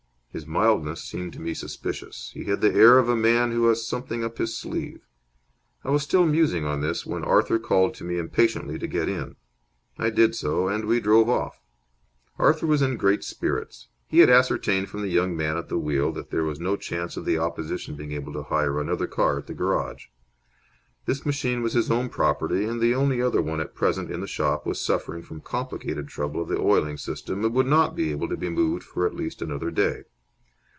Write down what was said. His mildness seemed to me suspicious. He had the air of a man who has something up his sleeve. I was still musing on this when Arthur called to me impatiently to get in. I did so, and we drove off. Arthur was in great spirits. He had ascertained from the young man at the wheel that there was no chance of the opposition being able to hire another car at the garage. This machine was his own property, and the only other one at present in the shop was suffering from complicated trouble of the oiling system and would not be able to be moved for at least another day.